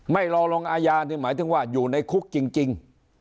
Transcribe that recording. ไม่รอลงอาญานี่หมายถึงว่าอยู่ในคุกจริง